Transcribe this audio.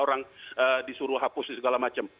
orang disuruh hapus dan segala macam